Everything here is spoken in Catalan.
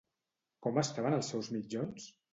Com estaven els seus mitjons?